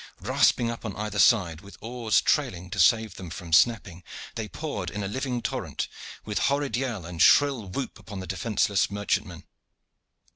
Rasping up on either side, with oars trailing to save them from snapping, they poured in a living torrent with horrid yell and shrill whoop upon the defenceless merchantman.